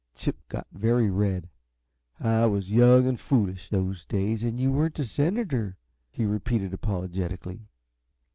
Chip got very red. "I was young and foolish, those days, and you weren't a senator," he repeated, apologetically.